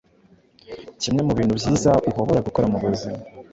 Kimwe mu bintu byiza uhobora gukora mubuzima